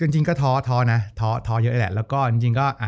จริงก็ท้อเยอะแหละ